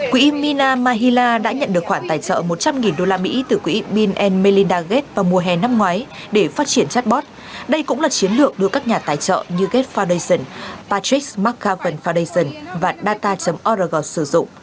quỹ mina mahila đã nhận được khoản tài trợ một trăm linh đô la mỹ từ quỹ bin melinda gates vào mùa hè năm ngoái để phát triển chabot đây cũng là chiến lược được các nhà tài trợ như gates foundation patrick mcgovern foundation và data org sử dụng